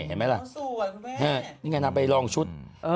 เฮ้เนี้ยนับไปลองชุด